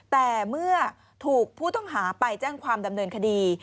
แต่เมื่อถูกผู้ต้องหาไปแจ้งความดำเนินคดี